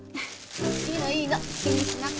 いいのいいの気にしなくって。